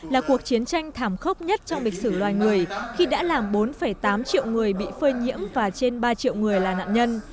là cuộc chiến tranh thảm khốc nhất trong lịch sử loài người khi đã làm bốn tám triệu người bị phơi nhiễm và trên ba triệu người là nạn nhân